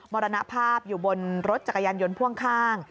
มรณภาพอยู่บนรถจักรยานยนต์พ่วงข้าง